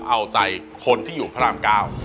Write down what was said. เอาใจคนที่อยู่พระอำกาล